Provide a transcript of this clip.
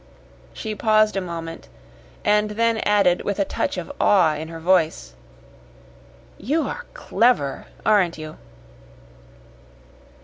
She paused a moment, and then added with a touch of awe in her voice, "You are CLEVER, aren't you?"